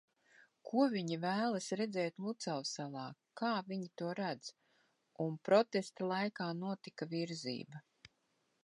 Ko viņi vēlas redzēt Lucavsalā, kā viņi to redz. Un protesta laikā notika virzība.